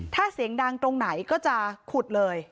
ถ้าเสียงดังตรงไหนก็จะขุดเลย